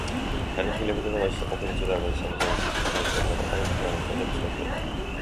განიხილებოდა მასში საკონფერენციო დარბაზის, სამუზეუმო სივრცის, ძვირადღირებული აპარტამენტების ან რესტორნების მოწყობა.